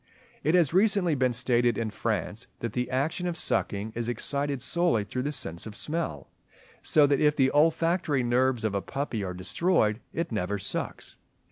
It has recently been stated in France, that the action of sucking is excited solely through the sense of smell, so that if the olfactory nerves of a puppy are destroyed, it never sucks.